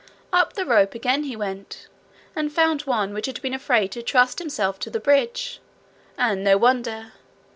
Up the rope again he went, and found one which had been afraid to trust himself to the bridge, and no wonder!